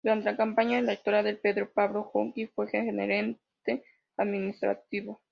Durante la campaña electoral de Pedro Pablo Kuczynski fue gerente administrativo.